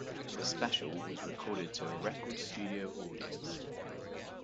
The special was recorded to a record studio audience.